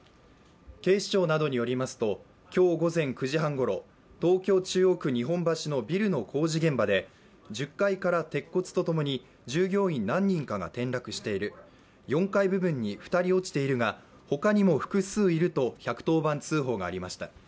警視庁などによりますと今日午前９時半ごろ、東京・中央区日本橋のビルの工事現場で１０階から鉄骨とともに従業員何人かが転落している、４階部分に２人落ちているが他にも複数いると１１０番通報がありました。